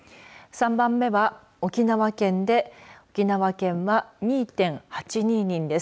３番目は沖縄県で沖縄県は２．８２人です。